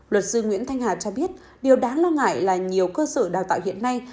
luật sư nguyễn thanh hà cho biết điều đáng lo ngại là nhiều cơ sở đào tạo hiện nay